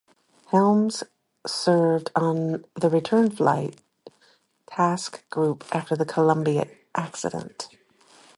Helms served on the Return To Flight task group after the Columbia accident.